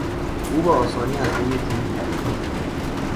او به آسانی از روی جوی پرید.